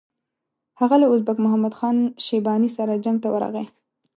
هغه له ازبک محمد خان شیباني سره جنګ ته ورغی.